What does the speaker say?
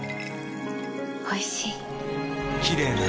おいしい。